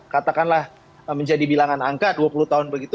katakanlah menjadi bilangan angka dua puluh tahun begitu